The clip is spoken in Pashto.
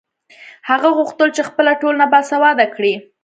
هغه غوښتل چې خپله ټولنه باسواده کړي.